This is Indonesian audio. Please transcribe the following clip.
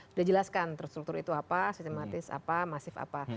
sudah jelaskan terstruktur itu apa sistematis apa masif apa